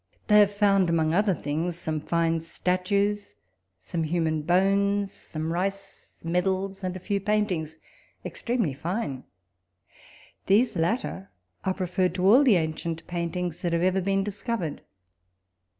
They have found among other things some fine statues, some human bones, some rice, medals, and a few paintings extremely fine. These latter are preferred to all the ancient paintings that have ever been discovered.